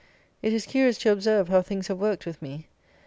It is curious to observe how things have worked with me.